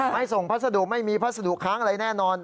ไม่ส่งพัสดุไม่มีพัสดุค้างอะไรแน่นอน